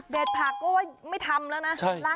ผักก็ว่าไม่ทำแล้วนะ